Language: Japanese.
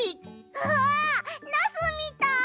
うわナスみたい！